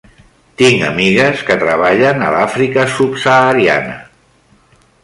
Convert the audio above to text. Tinc amigues que treballen a l'Àfrica subsahariana.